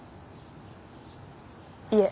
いえ。